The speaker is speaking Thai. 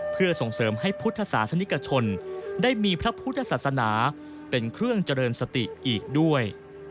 เพื่อส่งเสริมให้พุทธศาสนิกชนได้มีพระพุทธศาสนาเป็นเครื่องเจริญสติอีกด้วย